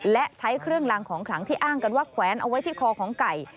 และใช้เครื่องลางของขลังที่อ้างกันว่าแขวนเอาไว้ที่คอของไก่